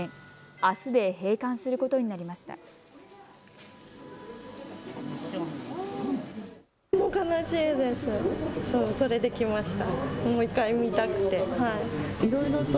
あすで閉館することになりました。